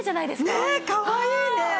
ねえかわいいね。